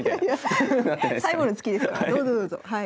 最後の月ですからどうぞどうぞ。